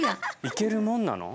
いけるもんなの？